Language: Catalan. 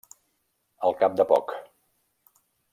Al cap de poc.